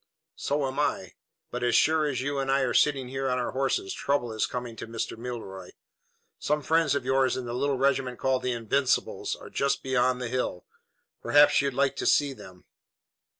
"So am I; but as sure as you and I are sitting here on our horses, trouble is coming to Mr. Milroy. Some friends of yours in the little regiment called the Invincibles are just beyond the hill. Perhaps you'd like to see them."